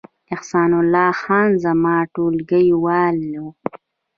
احسان الله خان زما ټولګیوال و